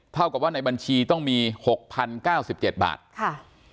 เท่ากับว่าในบัญชีต้องมีหกพันเก้าสิบเจ็ดบาทค่ะ